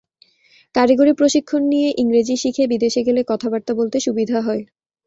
কারিগরি প্রশিক্ষণ নিয়ে ইংরেজি শিখে বিদেশে গেলে কথাবার্তা বলতে সুবিধা হয়।